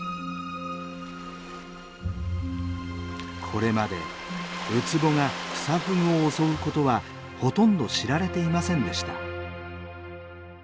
これまでウツボがクサフグを襲うことはほとんど知られていませんでした。